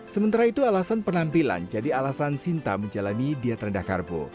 sementara itu alasan penampilan jadi alasan sinta menjalani diet rendah karbo